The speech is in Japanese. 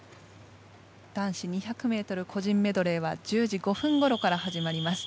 男子２００ｍ個人メドレーは１０時５分ごろから始まります。